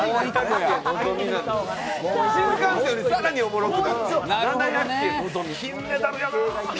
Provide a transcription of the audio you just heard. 新幹線より更に面白く。